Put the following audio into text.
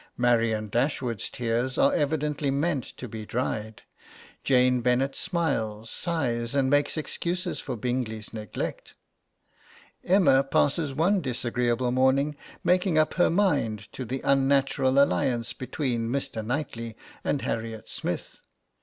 Marianne Dashwood's tears are evidently meant to be dried. Jane Bennet smiles, sighs and makes excuses for Bingley's neglect. Emma passes one disagreeable morning making up her mind to the unnatural alliance between Mr. Knightly and Harriet Smith.